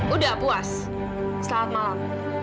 udah puas selamat malam